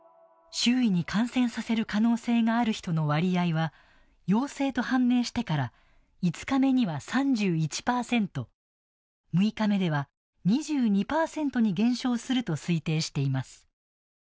周囲に感染させる可能性がある人の割合は陽性と判明してから５日目には３１％６日目では２２％に減少すると推定しています。